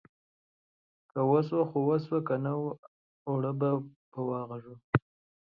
که وسوه خو وسوه ، که نه اوړه به په واغږو.